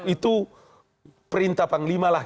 itu perintah panglima lah